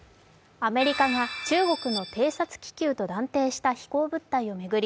アメリカが中国の偵察気球と断定した飛行物体を巡り